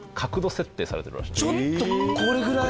ちょっとこれぐらい。